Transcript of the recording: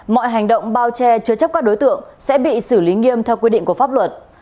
mọi hành động bao che chứa chấp các đối tượng sẽ bị xử lý nghiêm theo quy định của pháp luật